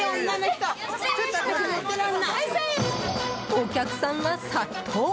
お客さんが殺到！